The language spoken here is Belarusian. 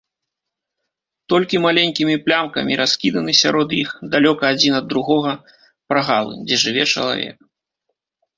Толькі маленькімі плямкамі раскіданы сярод іх, далёка адзін ад другога, прагалы, дзе жыве чалавек.